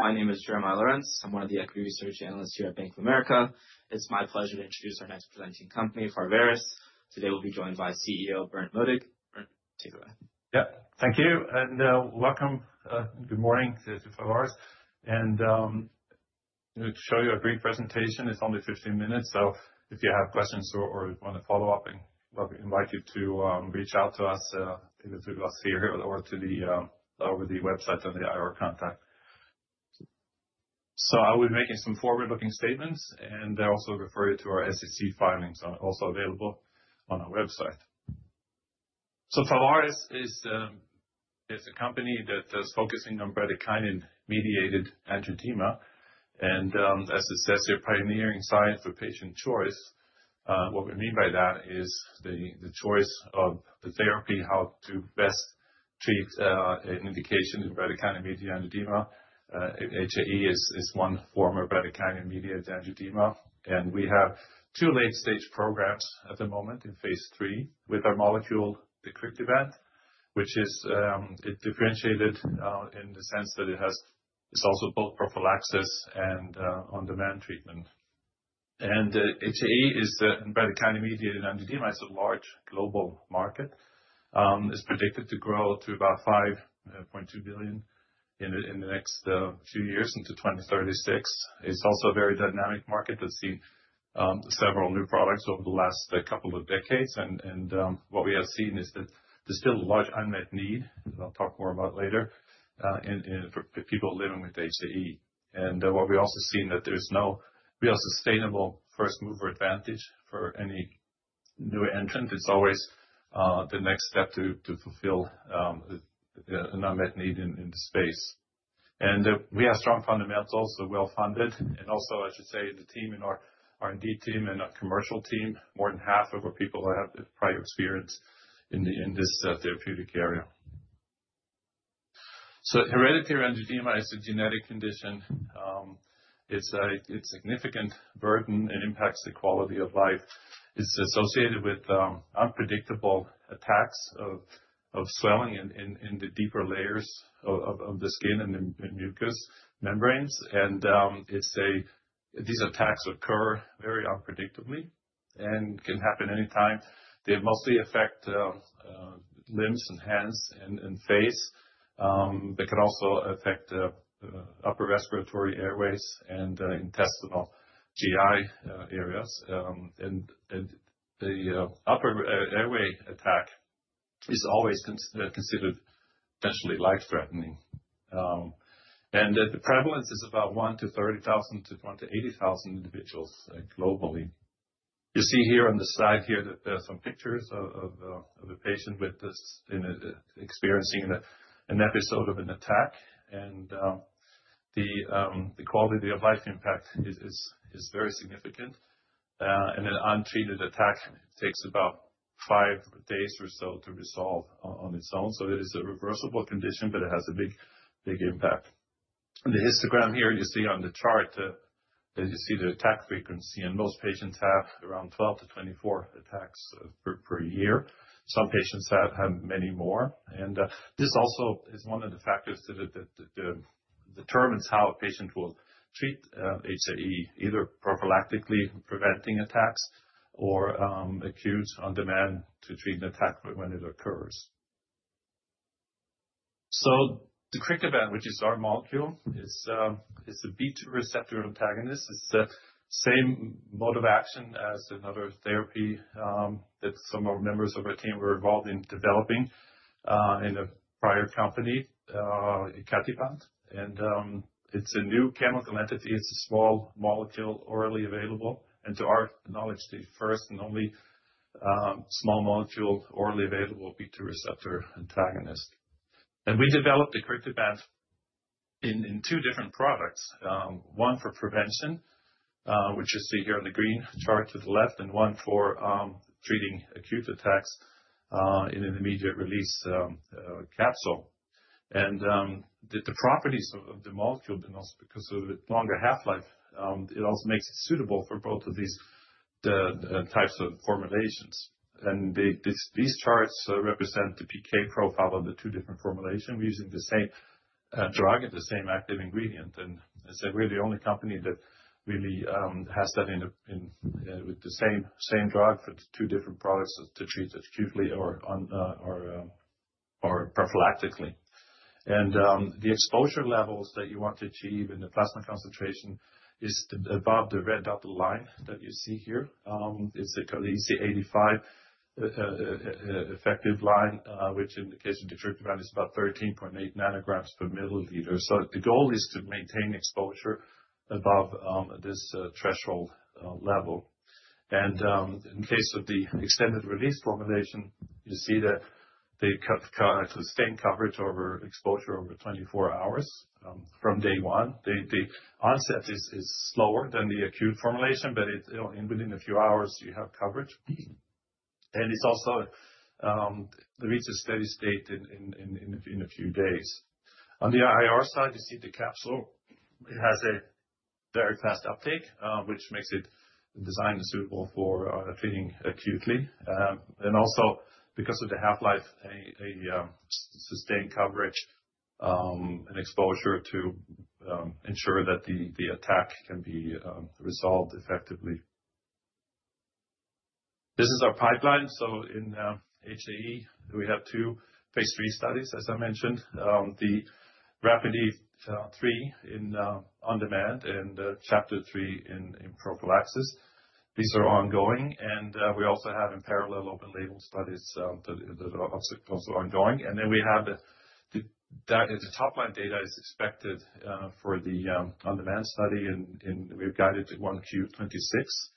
My name is Jeremiah Lawrence. I'm one of the Equity Research Analysts here at Bank of America. It's my pleasure to introduce our next presenting company, Pharvaris. Today we'll be joined by CEO Berndt Modig. Berndt, take it away. Yeah, thank you. Welcome, good morning to Pharvaris. To show you a brief presentation, it's only 15 minutes. If you have questions or want to follow up, I invite you to reach out to us, either through us here or over the website on the IR contact. I will be making some forward-looking statements, and I also refer you to our SEC filings also available on our website. Pharvaris is a company that is focusing on Bradykinin-mediated angioedema. As it says, they're pioneering science for patient choice. What we mean by that is the choice of the therapy, how to best treat an indication in Bradykinin-mediated angioedema. HAE is one form of Bradykinin-mediated angioedema. We have two late-stage programs at the moment in phase 3 with our molecule Deucrictibant, which is differentiated in the sense that it has also both Prophylaxis and on-demand treatment. HAE is Bradykinin-mediated angioedema. It's a large global market. It's predicted to grow to about $5.2 billion in the next few years into 2036. It's also a very dynamic market. I've seen several new products over the last couple of decades. What we have seen is that there's still a large unmet need, and I'll talk more about that later, for people living with HAE. What we've also seen is that there's no real sustainable first-mover advantage for any new entrant. It's always the next step to fulfill an unmet need in the space. We have strong fundamentals, so well-funded. I should say, the team in our R&D team and our commercial team, more than half of our people have prior experience in this therapeutic area. Hereditary angioedema is a genetic condition. It's a significant burden and impacts the quality of life. It's associated with unpredictable attacks of swelling in the deeper layers of the skin and the mucous membranes. These attacks occur very unpredictably and can happen anytime. They mostly affect limbs and hands and face, but can also affect upper respiratory airways and intestinal GI areas. The upper airway attack is always considered potentially life-threatening. The prevalence is about 1-30,000 to 1-80,000 individuals globally. You see here on the slide here that there are some pictures of a patient with this experiencing an episode of an attack. The quality of life impact is very significant. An untreated attack takes about five days or so to resolve on its own. It is a reversible condition, but it has a big impact. The histogram here you see on the chart, you see the attack frequency. Most patients have around 12-24 attacks per year. Some patients have many more. This also is one of the factors that determines how a patient will treat HAE, either prophylactically preventing attacks or acute on-demand to treat an attack when it occurs. Deucrictibant, which is our molecule, is a B2 receptor antagonist. It is the same mode of action as another therapy that some of our members of our team were involved in developing in a prior company, Icatibant. It is a new chemical entity. It is a small molecule orally available. To our knowledge, the first and only small molecule orally available B2 receptor antagonist. We developed Deucrictibant in two different products. One for prevention, which you see here on the green chart to the left, and one for treating acute attacks in an Immediate release capsule. The properties of the molecule, because of its longer half-life, also make it suitable for both of these types of formulations. These charts represent the PK profile of the two different formulations. We're using the same drug and the same active ingredient. As I said, we're the only company that really has that with the same drug for two different products to treat acutely or prophylactically. The exposure levels that you want to achieve in the plasma concentration is above the red dotted line that you see here. It's the EC85 effective line, which in the case of Deucrictibant is about 13.8 ng/ml. The goal is to maintain exposure above this threshold level. In the case of the extended release formulation, you see that they have staying coverage over exposure over 24 hours from day one. The onset is slower than the acute formulation, but within a few hours, you have coverage. It also reaches steady state in a few days. On the IR side, you see the capsule. It has a very fast uptake, which makes it designed and suitable for treating acutely. Also, because of the half-life, a sustained coverage and exposure to ensure that the attack can be resolved effectively. This is our pipeline. In HAE, we have two phase 3 studies, as I mentioned, the RAPIDe-3 in on-demand and CHAPTER-3 in Prophylaxis. These are ongoing. We also have in parallel open-label studies that are also ongoing. We have the top-line data is expected for the on-demand study, and we've guided to Q1 2026.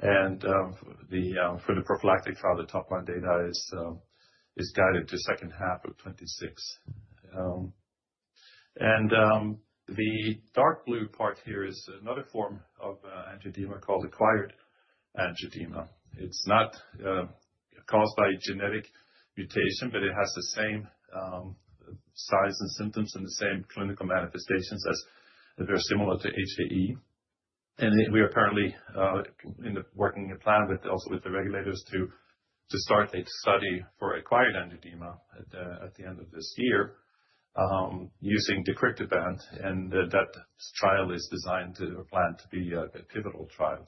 For the prophylactic trial, the top-line data is guided to the second half of 2026. The dark blue part here is another form of angioedema called Acquired angioedema. It's not caused by genetic mutation, but it has the same signs and symptoms and the same clinical manifestations as they're similar to HAE. We are currently working in plan with also with the regulators to start a study for Acquired angioedema at the end of this year using Deucrictibant. That trial is designed or planned to be a pivotal trial.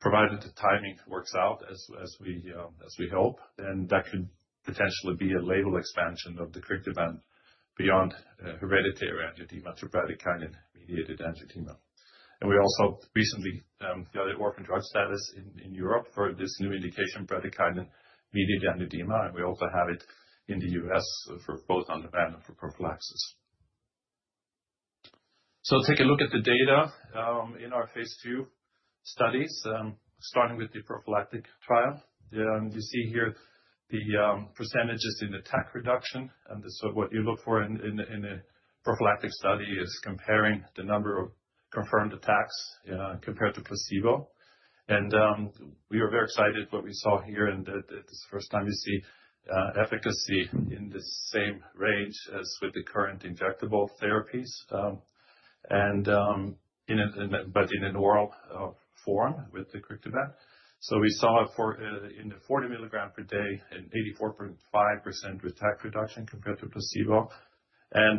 Provided the timing works out, as we hope, then that could potentially be a label expansion of Deucrictibant beyond hereditary angioedema to Bradykinin-mediated angioedema. We also recently got an Orphan drug status in Europe for this new indication, Bradykinin-mediated angioedema. We also have it in the U.S. for both on-demand and for Prophylaxis. Take a look at the data in our phase two studies, starting with the prophylactic trial. You see here the percentages in attack reduction. What you look for in a prophylactic study is comparing the number of confirmed attacks compared to Placebo. We are very excited about what we saw here. This is the first time you see efficacy in the same range as with the current Injectable therapies, but in an oral form with Deucrictibant. We saw in the 40 mg per day an 84.5% attack reduction compared to Placebo.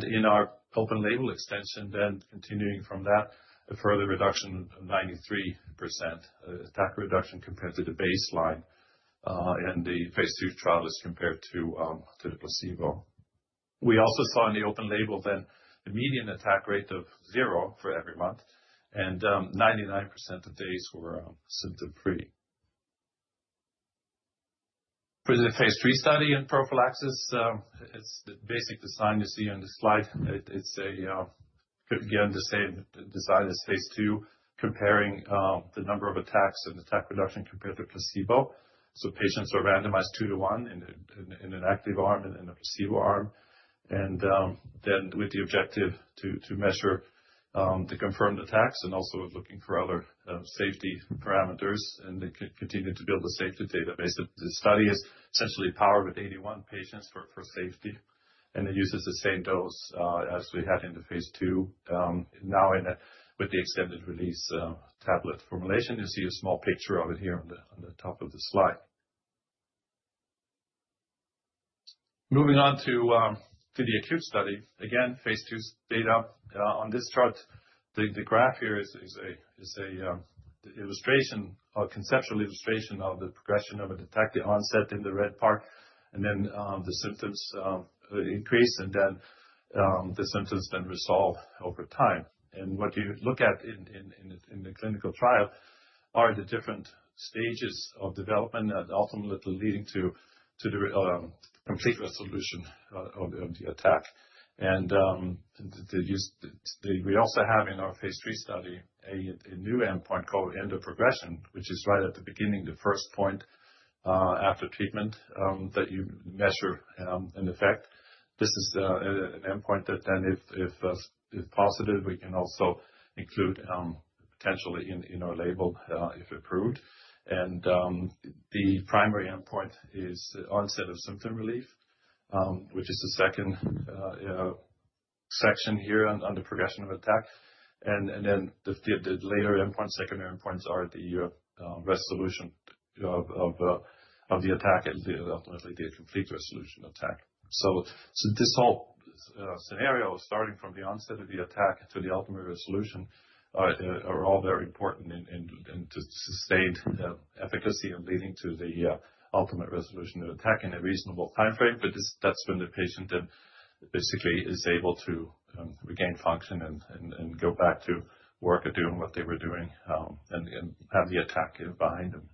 In our Open-label extension, then continuing from that, a further reduction of 93% attack reduction compared to the baseline. The phase two trial is compared to the Placebo. We also saw in the open-label then a median attack rate of zero for every month. And 99% of days were symptom-free. For the phase three study in prophylaxis, it's the basic design you see on the slide. It's again the same design as phase two, comparing the number of attacks and attack reduction compared to Placebo. Patients are randomized two to one in an active arm and in a Placebo arm. Then with the objective to measure the confirmed attacks and also looking for other safety parameters and continue to build a safety database. The study is essentially powered with 81 patients for safety. It uses the same dose as we had in the phase two, now with the Extended release tablet formulation. You see a small picture of it here on the top of the slide. Moving on to the acute study. Again, phase two data. On this chart, the graph here is an illustration, a conceptual illustration of the progression of an attack. The onset in the red part, and then the symptoms increase, and then the symptoms then resolve over time. What you look at in the clinical trial are the different stages of development that ultimately lead to the complete resolution of the attack. We also have in our phase three study a new endpoint called end of progression, which is right at the beginning, the first point after treatment that you measure in effect. This is an endpoint that then if positive, we can also include potentially in our label if approved. The primary endpoint is onset of symptom relief, which is the second section here under progression of attack. The later endpoints, secondary endpoints, are the resolution of the attack and ultimately the complete resolution attack. This whole scenario, starting from the onset of the attack to the ultimate resolution, are all very important to sustained efficacy and leading to the ultimate resolution of attack in a reasonable timeframe. That is when the patient then basically is able to regain function and go back to work or doing what they were doing and have the attack behind them.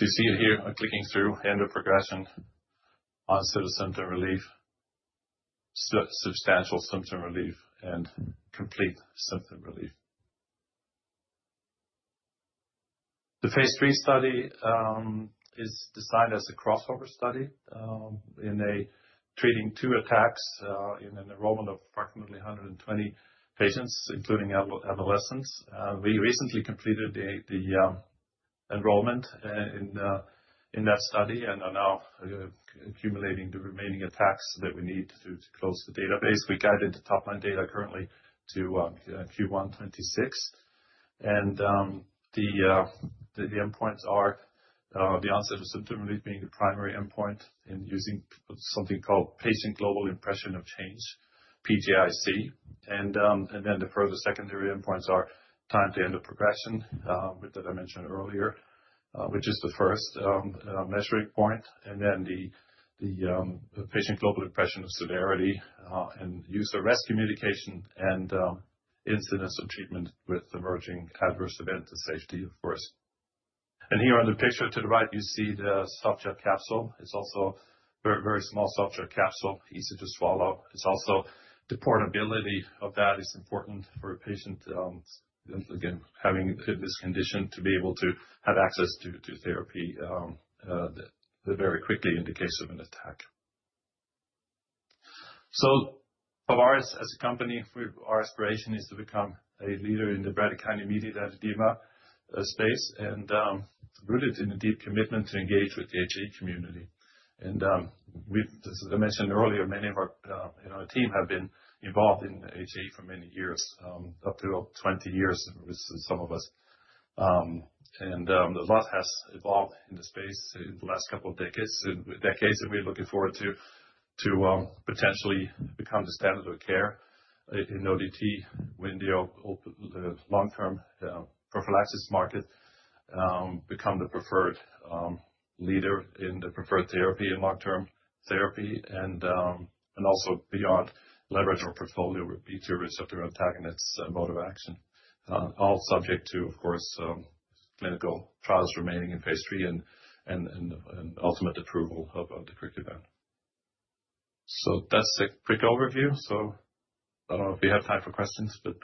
You see it here clicking through end of progression, onset of symptom relief, substantial symptom relief, and complete symptom relief. The phase 3 study is designed as a crossover study in treating two attacks in an enrollment of approximately 120 patients, including adolescents. We recently completed the enrollment in that study and are now accumulating the remaining attacks that we need to close the database. We guided the top-line data currently to Q1 2026. The endpoints are the onset of symptom relief being the primary endpoint and using something called patient global impression of change, PGIC. The further secondary endpoints are time to end of progression, that I mentioned earlier, which is the first measuring point. The patient global impression of severity and use of rescue medication and incidence of treatment with emerging adverse events and safety, of course. Here on the picture to the right, you see the Soft gel capsule. It is also a very small Soft gel capsule, easy to swallow. It's also the portability of that is important for a patient, again, having this condition to be able to have access to therapy very quickly in the case of an attack. Pharvaris, as a company, our aspiration is to become a leader in the Bradykinin-mediated angioedema space and rooted in a deep commitment to engage with the HAE community. As I mentioned earlier, many of our team have been involved in HAE for many years, up to 20 years with some of us. A lot has evolved in the space in the last couple of decades. We're looking forward to potentially become the standard of care in ODT when the long-term Prophylaxis market becomes the preferred leader in the preferred therapy and long-term therapy. Also, beyond, leverage our portfolio with B2 receptor antagonists mode of action, all subject to, of course, clinical trials remaining in phase 3 and ultimate approval of deucrictibant. That is a quick overview. I do not know if we have time for questions, but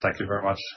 thank you very much.